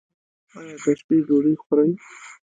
ایا د شپې ډوډۍ خورئ؟